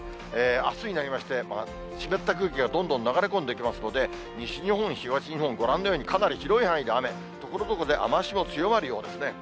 あすになりまして、湿った空気がどんどん流れ込んできますので、西日本、東日本、ご覧のようにかなり広い範囲で雨、ところどころで雨足も強まるようですね。